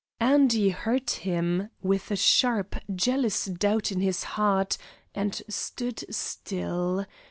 Andy heard him, with a sharp, jealous doubt in his heart, and stood still.